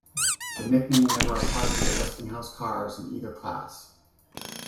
The nickname never applied to the Westinghouse cars in either class.